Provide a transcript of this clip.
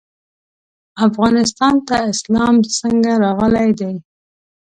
افغانستان ته اسلام څنګه راغلی دی؟